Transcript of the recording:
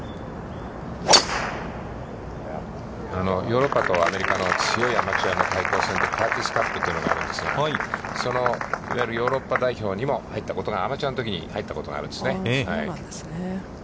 ヨーロッパとアメリカの強いアマチュアの対抗戦があるんですけど、そのヨーロッパ代表にも入ったことが、アマチュアのときに入ったことがあるんですね。